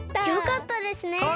よかったですね！